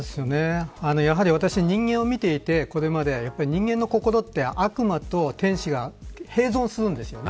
私は人間を見ていてこれまで人間の心は悪魔と天使が併存するんです。